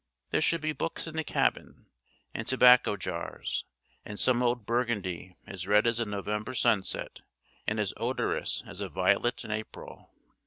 There should be books in the cabin, and tobacco jars, and some old Burgundy as red as a November sunset and as odorous as a violet in April.